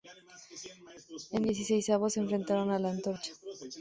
En dieciseisavos se enfrentaron al antorcha.